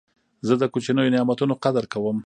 زه د کوچنیو نعمتو قدر کوم.